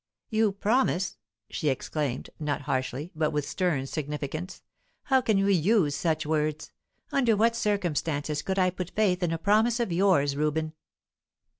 "You promise?" she exclaimed, not harshly, but with stern significance. "How can you use such words? Under what circumstances could I put faith in a promise of yours, Reuben?"